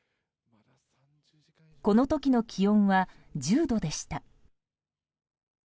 この時の気温は１０度でした。